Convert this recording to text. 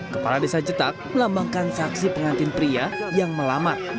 kepala desa cetak melambangkan saksi pengantin pria yang melamar